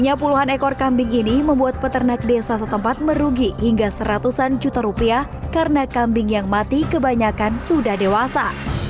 hanya puluhan ekor kambing ini membuat peternak desa setempat merugi hingga seratusan juta rupiah karena kambing yang mati kebanyakan sudah dewasa